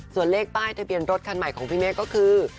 ส่วนเลขป้ายทะเบียนรถคันใหม่ของพี่เมฆก็คือ